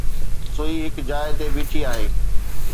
سوئي هڪ جاءِ تي بيٺي آهي.